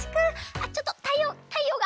あっちょっと太陽が太陽が！